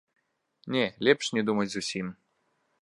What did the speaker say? Не, лепш не думаць зусім.